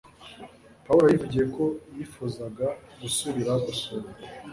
Pawulo yivugiye ko yifuzaga gusubira gusura